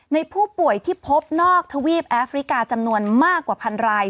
ในผู้ป่วยที่พบนอกทวีปแอฟริกาจำนวนมากกว่าพันราย